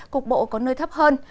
cục bộ có nơi thấp hơn